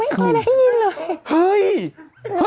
ไม่เคยได้ยินเลย